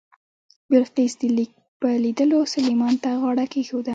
بلقیس د لیک په لیدلو سلیمان ته غاړه کېښوده.